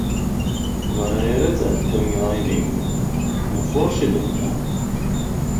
Varēja redzēt, ka viņi laimīgi. Nu forši tak tā.